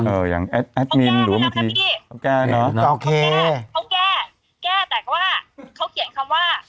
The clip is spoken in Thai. เอ่ออย่างหรือว่าเมื่อกี้โอเคเขาแก้แก้แต่ว่าเขาเขียนคำว่า